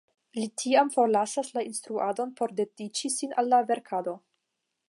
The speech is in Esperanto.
Li tiam forlasas la instruadon por dediĉi sin al la verkado.